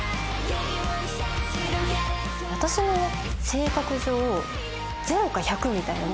私の性格上０か１００みたいな。